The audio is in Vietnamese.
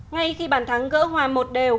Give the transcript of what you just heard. ngay khi bàn thắng gỡ hòa một đều